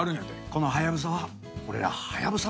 このハヤブサは俺らハヤブサ